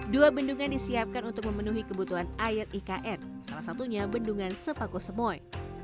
dua bendungan disiapkan untuk memenuhi kebutuhan air ikn salah satunya bendungan sepaku semoy